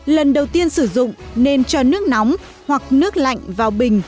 lần đầu tiên sử dụng nên cho nước nóng hoặc nước lạnh vào bình